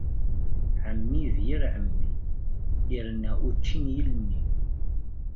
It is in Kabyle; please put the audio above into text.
Ɛemmi d yir ɛemmi, irna učči n yilni.